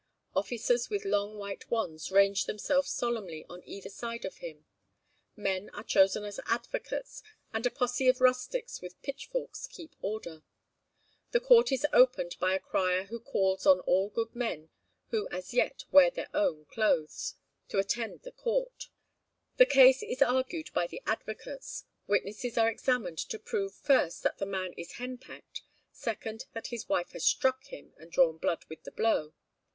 Officers with long white wands range themselves solemnly on either side of him; men are chosen as advocates; and a posse of rustics with pitchforks keeps order. The court is opened by a crier who calls on all good men who as yet wear their own clos, to attend the court. The case is argued by the advocates; witnesses are examined to prove, first, that the man is henpecked, second, that his wife has struck him and drawn blood with the blow.